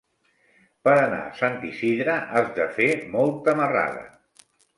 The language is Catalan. Per anar a Sant Isidre has de fer molta marrada.